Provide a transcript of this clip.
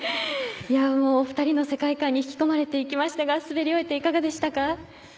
お二人の世界観に引き込まれていきましたが滑り終えていかがでしたか？